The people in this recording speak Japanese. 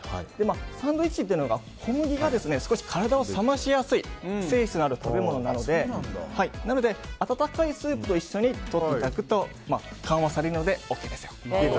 サンドイッチというのが小麦が体を冷ましやすい性質のある食べ物なので温かいスープと一緒にとっていただくと緩和されるのでＯＫです。